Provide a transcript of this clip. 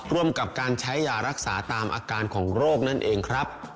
ร่วมกับการใช้ยารักษาตามอาการของโรคนั่นเองครับ